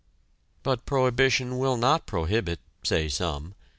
But prohibition will not prohibit, say some.